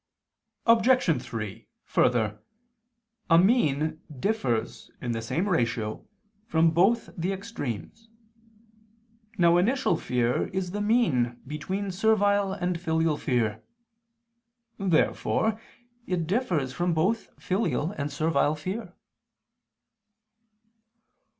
Obj. 3: Further, a mean differs in the same ratio from both the extremes. Now initial fear is the mean between servile and filial fear. Therefore it differs from both filial and servile fear.